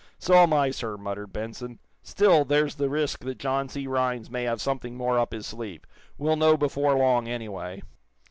"So am I, sir," muttered Benson. "Still, there's the risk that John C. Rhinds may have something more up his sleeve. We'll know before long, anyway."